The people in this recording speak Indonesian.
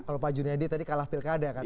kalau pak junedi tadi kalah pilkada kan